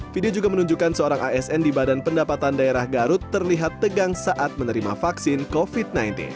video juga menunjukkan seorang asn di badan pendapatan daerah garut terlihat tegang saat menerima vaksin covid sembilan belas